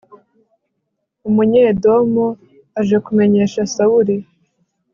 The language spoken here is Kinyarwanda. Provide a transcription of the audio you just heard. umunyedomu, aje kumenyesha sawuli